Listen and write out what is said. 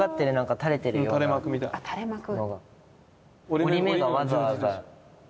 折り目がわざわざ。